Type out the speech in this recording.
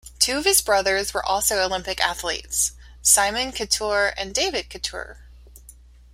Two of his brothers were also Olympic athletes: Simon Kitur and David Kitur.